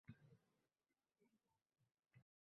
Qip-qizil sumkasi ham hech kimda yo‘q — chiroyli edi.